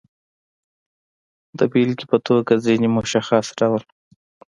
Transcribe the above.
د بېلګې په توګه، ځینې مشخص ډول